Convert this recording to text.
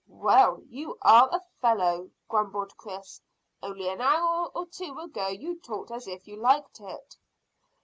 "Well, you are a fellow!" grumbled Chris. "Only an hour or two ago you talked as if you liked it."